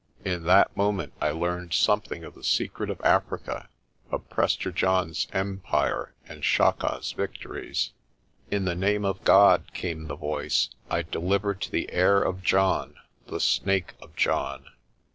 In that moment I learned something of the secret of Africa, of Prester John's empire and Chaka's victories. "In the name of God," came the voice, "I deliver to the heir of John the Snake of John."